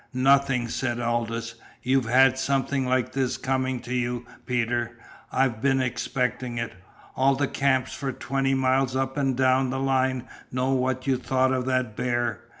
"Nothing," said Aldous. "You've had something like this coming to you, Peter. I've been expecting it. All the camps for twenty miles up and down the line know what you thought of that bear.